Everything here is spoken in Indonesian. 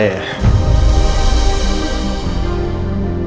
iyalah tante tau